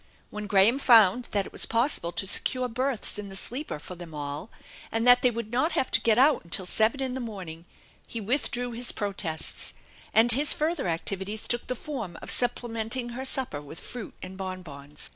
When Graham found that it was possible to secure berths in the sleeper for them all, and that they would not have to get out until seven in the morning he withdrew his protests; and his further activities took the form of sup plementing her supper with fruit and bonbons.